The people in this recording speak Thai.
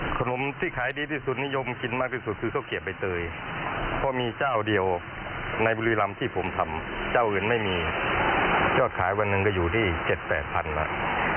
ขนมที่ขายดีที่สุดนิยมกินมากที่สุดคือข้าวเกียบใบเตยเพราะมีเจ้าเดียวในบุรีรำที่ผมทำเจ้าอื่นไม่มียอดขายวันหนึ่งก็อยู่ที่๗๘พันแล้ว